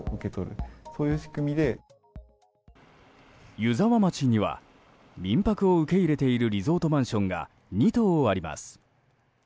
湯沢町には民泊を受け入れているリゾートマンションが２棟あります。